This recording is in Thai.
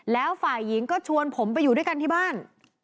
แล้วฝ่ายหญิงก็ชวนผมไปอยู่ด้วยกันที่บ้าน